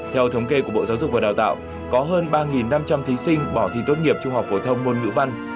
theo thống kê của bộ giáo dục và đào tạo có hơn ba năm trăm linh thí sinh bỏ thi tốt nghiệp trung học phổ thông môn ngữ văn